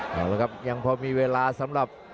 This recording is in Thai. ต้องกับพวกมาพอมีเวลาสำหรับ